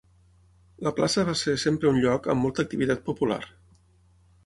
La plaça va ser sempre un lloc amb molta activitat popular.